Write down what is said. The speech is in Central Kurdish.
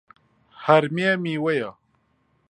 هەرمێ میوەیە.